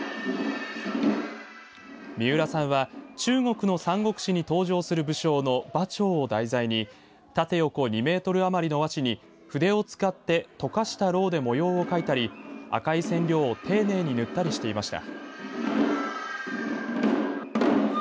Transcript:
三浦さんは中国の三国志に登場する武将の馬超を題材に縦横２メートル余りの和紙に筆を使って溶かしたろうで模様を書いたり赤い染料を丁寧に塗ったりしていました。